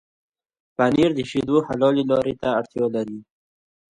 پنېر د شيدو حلالې لارې ته اړتيا لري.